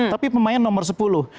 tapi pemain nomor sepuluh